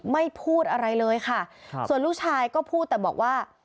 ไม่พูดอะไรเลยค่ะครับส่วนลูกชายก็พูดแต่บอกว่า